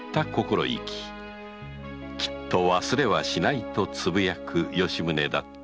きっと忘れはしないと呟く吉宗だった